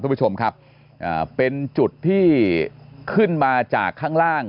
คุณผู้ชมครับอ่าเป็นจุดที่ขึ้นมาจากข้างล่าง